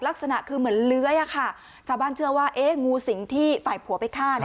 ลักษณะคือเหมือนเลื้อยอ่ะค่ะสาบานเจอว่าเอ๊กูสิ่งที่ฝ่ายผัวไปฆ่านี่